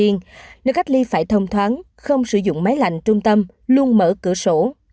nơi cách ly phải thông thoáng không sử dụng máy lạnh trung tâm luôn mở cửa sổ